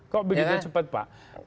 kok begitu cepat pak